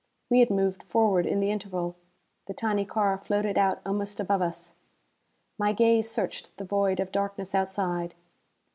We had moved forward in the interval. The tiny car floated out almost above us. My gaze searched the void of darkness outside.